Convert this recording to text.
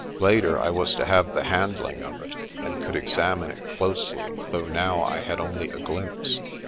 Later I was to have the handling of it and could examine it closely, though now I had only a glimpse.